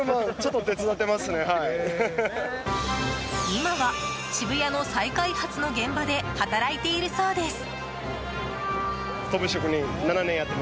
今は渋谷の再開発の現場で働いているそうです。